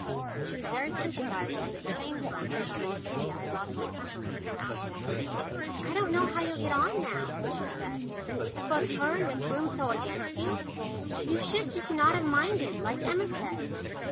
She was very sympathising, but at the same time she thought it a pity I had lost my temper with Miss Aspinall. "I don't know how you'll get on now," she said, "with both her and Miss Broom so against you. You should just not have minded like Emma said."